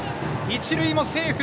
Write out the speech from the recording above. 一塁もセーフ！